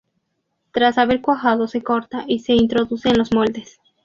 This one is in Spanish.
Tras haber cuajado se corta y se introduce en los moldes.